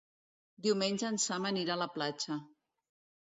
Diumenge en Sam anirà a la platja.